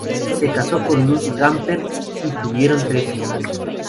Se casó con Luz Gamper, y tuvieron tres hijos.